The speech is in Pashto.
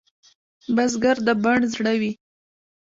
بزګر د بڼ زړه وي